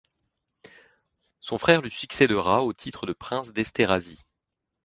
Son frère lui succédera au titre de prince d'Esterházy.